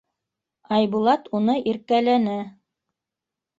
Айбулат уны иркәләне.